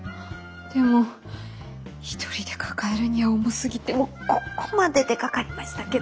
でも一人で抱えるには重すぎてもうここまで出かかりましたけど。